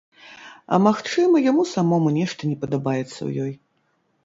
А магчыма, яму самому нешта не падабаецца ў ёй.